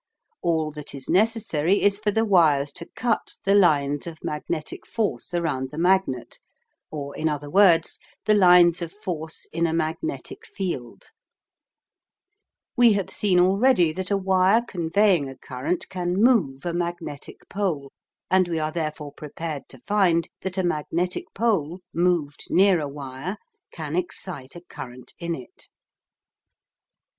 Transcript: All that is necessary is for the wires to cut the lines of magnetic force around the magnet, or, in other words, the lines of force in a magnetic field We have seen already that a wire conveying a current can move a magnetic pole, and we are therefore prepared to find that a magnetic pole moved near a wire can excite a current in it.